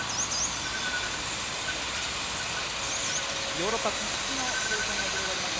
ヨーロッパ屈指の景観が広がります